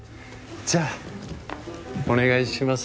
じゃあお願いします。